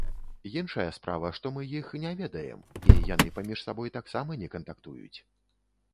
Іншая справа, што мы іх не ведаем, і яны паміж сабой таксама не кантактуюць.